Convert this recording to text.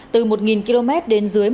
từ một km đến dưới một km